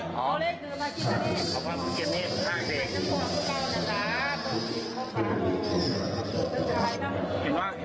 โปรดติดตามตอนต่อไป